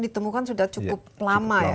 ditemukan sudah cukup lama ya